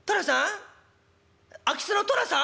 空き巣の寅さん？